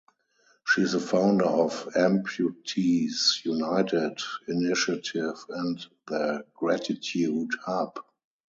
She is the founder of Amputees United Initiative and The Gratitude Hub.